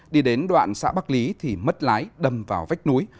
đi đến đoạn xã bắc lý thì mất lái đâm vào vách núi